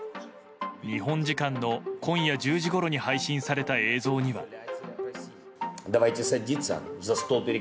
日本時間の今夜１０時ごろに配信された映像には。